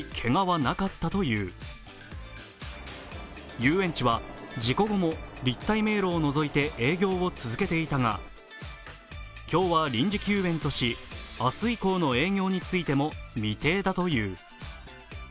遊園地は事故後も立体迷路を除いて営業を続けていたが、今日は臨時休園とし、明日以降の営業についても未定だという。